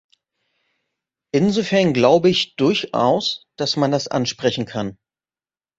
Insofern glaube ich durchaus, dass man das ansprechen kann.